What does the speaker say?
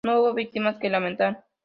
No hubo víctimas que lamentar.